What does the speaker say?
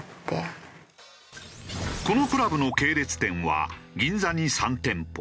このクラブの系列店は銀座に３店舗。